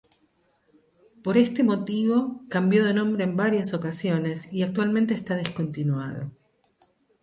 Por este motivo cambió de nombre en varias ocasiones y actualmente está descontinuado.